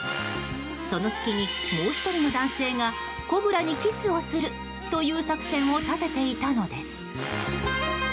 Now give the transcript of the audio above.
その隙に、もう１人の男性がコブラにキスをするという作戦を立てていたのです。